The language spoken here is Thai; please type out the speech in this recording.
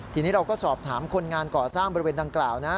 ทีนี้เราก็สอบถามคนงานก่อสร้างบริเวณดังกล่าวนะ